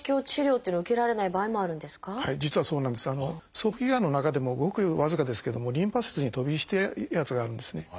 早期がんの中でもごく僅かですけどもリンパ節に飛び火してるやつがあるんですね。